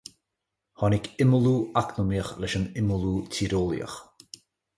Tháinig imeallú eacnamaíoch leis an imeallú tíreolaíoch.